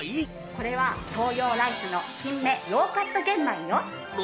これは東洋ライスの金芽ロウカット玄米よ。